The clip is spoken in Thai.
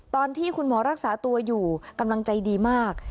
ตอนที่คุณหมอรักษาตัวอยู่กำลังใจดีมาก